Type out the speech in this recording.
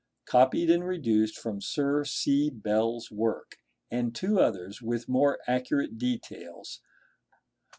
1) copied and reduced from Sir C. Bell's work, and two others, with more accurate details (figs.